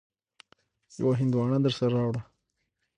يوه هندواڼه درسره راوړه.